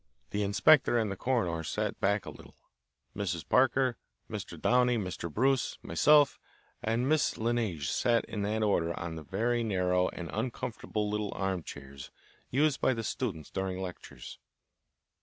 The inspector and the coroner sat back a little. Mrs. Parker, Mr. Downey, Mr. Bruce, myself, and Miss La Neige sat in that order in the very narrow and uncomfortable little armchairs used by the students during lectures.